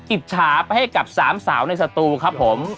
อิจฉาไปให้กับสามสาวในสตูครับผม